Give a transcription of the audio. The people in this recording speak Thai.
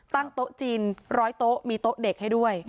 โต๊ะจีน๑๐๐โต๊ะมีโต๊ะเด็กให้ด้วย